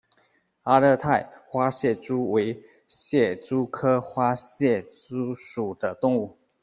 阿勒泰花蟹蛛为蟹蛛科花蟹蛛属的动物。